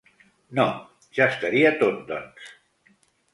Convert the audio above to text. No, ja estaria tot doncs.